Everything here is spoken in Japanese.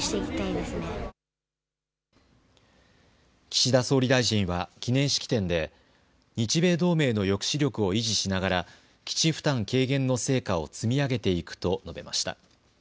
岸田総理大臣は記念式典で日米同盟の抑止力を維持しながら基地負担軽減の成果を積み上げていくと述べました。